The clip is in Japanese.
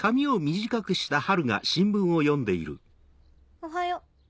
おはよう。